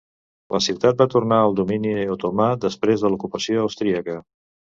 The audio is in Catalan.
La ciutat va tornar al domini otomà després de l'ocupació austríaca.